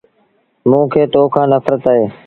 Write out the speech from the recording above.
موݩ کي تو کآݩ نڦرت اهي۔